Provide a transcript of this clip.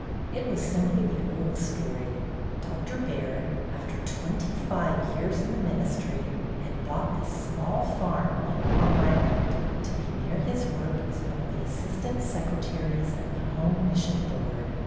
It was simply the old story. Doctor Baird, after twenty five years in the ministry, had bought this small farm on Long Island to be near his work as one of the assistant secretaries of the Home Mission Board.